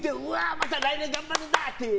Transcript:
また来年頑張るんだって。